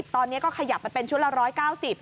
ตอนนี้ก็ขยับมาเป็นชุดละ๑๙๐บาท